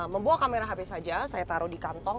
membawa kamera hp saja saya taruh di kantong